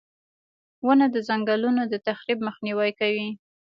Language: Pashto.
• ونه د ځنګلونو د تخریب مخنیوی کوي.